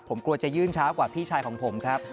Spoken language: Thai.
ผมกลัวจะยื่นช้ากว่าพี่ชายของผมครับ